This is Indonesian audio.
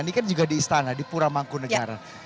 ini kan juga di istana di pura mangkunegara